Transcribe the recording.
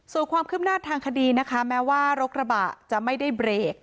ส่วนความคืบหน้าทางคดีนะคะแม้ว่ารถกระบะจะไม่ได้เบรก